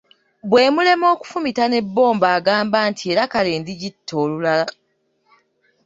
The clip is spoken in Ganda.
Bwe mulema okufumita n’ebomba agamba nti era kale ndigitta olulala.